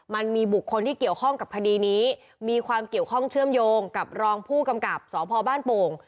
มันมีบุคคลที่เกี่ยวข้องกับคดีนี้มีความเกี่ยวข้องเชื่อมโยงกับรองผู้กำกับสพบ้านโป่ง